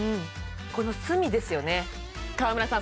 この隅ですよね川村さん